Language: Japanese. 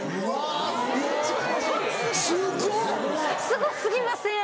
すご過ぎません？